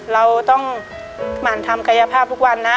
เราต้องหมั่นทำกายภาพทุกวันนะ